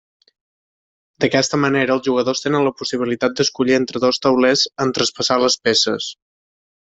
D'aquesta manera els jugadors tenen la possibilitat d'escollir entre dos taulers en traspassar les peces.